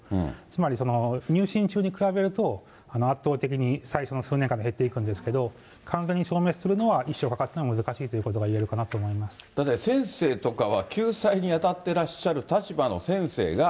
つまり入信中に比べると、圧倒的に最初の数年間は減っていくんですけど、完全に消滅するのは一生かかっても難しいということが言えるかなだって、先生とかは、救済に当たってらっしゃる立場の先生が、